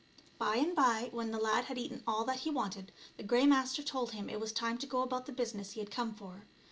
By and by, when the lad had eaten all that he wanted the Grey Master told him it was time to go about the business he had come for.